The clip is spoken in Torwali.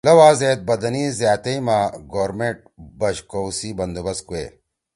لؤ آ زیت بدنی زیاتئ ما گورمیٹ بش کؤ سی بندوبست کوئے ۔